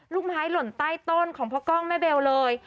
ไม้หล่นใต้ต้นของพ่อกล้องแม่เบลเลย